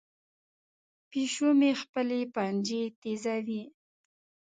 پیشو مې خپلې پنجې تیزوي.